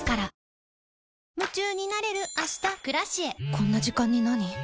こんな時間になに？